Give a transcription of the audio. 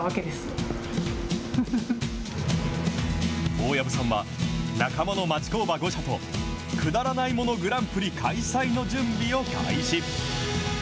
大藪さんは、仲間の町工場５社と、くだらないものグランプリ開催の準備を開始。